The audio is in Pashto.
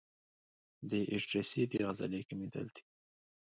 د ایټریسي د عضلې کمېدل دي.